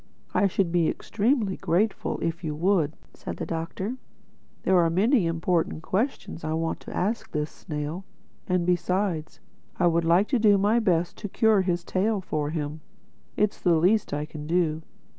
"I should be extremely grateful to you if you would," said the Doctor. "There are many important questions I want to ask this snail—And besides, I would like to do my best to cure his tail for him. It's the least I can do.